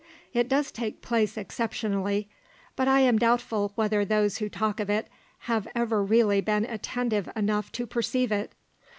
It does take place exceptionally; but I am doubtful whether those who talk of it have ever really been attentive enough to perceive it.